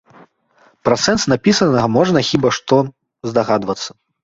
Пра сэнс напісанага можна хіба што здагадвацца.